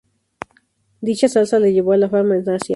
Dicha salsa le llevó a la fama en Asia.